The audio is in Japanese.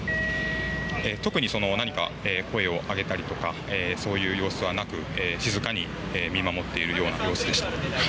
特に何か声を上げたりとかそういう様子はなく、静かに見守っているような様子でした。